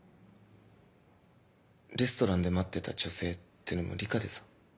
レストランで待ってた女性ってのも梨花でさ。